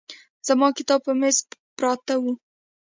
زما کتاب په مېز پراته وو.